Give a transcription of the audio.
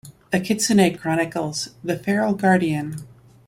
The Kitsune Chronicles: The Feral Guardian.